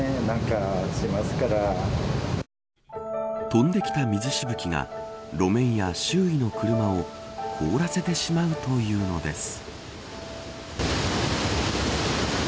飛んできた水しぶきが路面や周囲の車を凍らせてしまうというのです。